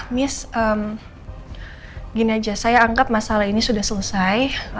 miss gini aja saya anggap masalah ini sudah selesai